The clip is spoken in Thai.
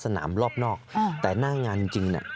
สามารถรู้ได้เลยเหรอคะ